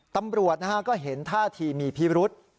ตำรวจก็เห็นท่าทีมีพิรุษ